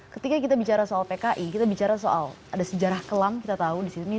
ketika kita bicara soal pki kita bicara soal ada sejarah kelam kita tahu di sini